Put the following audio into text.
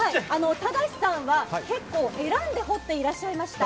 正さんは結構選んで掘っていらっしゃいました。